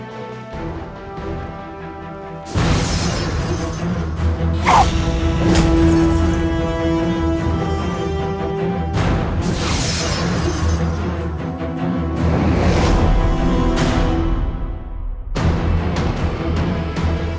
aku akan mencoba mengukuh diri ini